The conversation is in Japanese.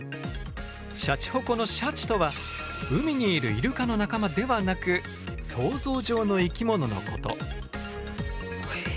シャチホコのシャチとは海にいるイルカの仲間ではなく想像上の生き物のこと。